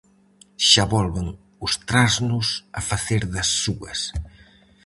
Xa volven os trasnos a facer das súas.